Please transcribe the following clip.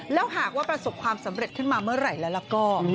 แล้วหากว่าประสบความสำเร็จขึ้นมาเมื่อไหร่แล้วก็